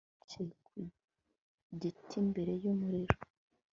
Tom yicaye ku giti imbere yumuriro